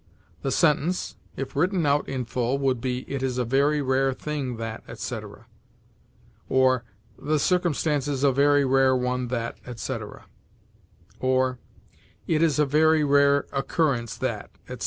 The sentence, if written out in full, would be, "It is a very rare thing that," etc., or "The circumstance is a very rare one that," etc., or "It is a very rare occurrence that," etc.